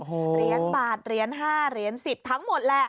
เหรียญบาทเหรียญ๕เหรียญ๑๐ทั้งหมดแหละ